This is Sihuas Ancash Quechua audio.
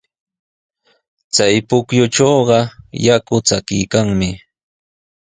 Chay pukyutrawqa yaku chakiykanmi.